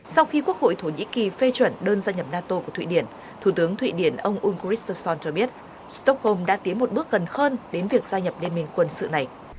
sau khi quốc hội thổ nhĩ kỳ phê chuẩn đơn gia nhập nato của thụy điển thủ tướng thụy điển ông ulrich stolt cho biết stockholm đã tiến một bước gần hơn đến việc gia nhập liên minh quân sự này